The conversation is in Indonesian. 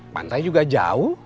pantai juga jauh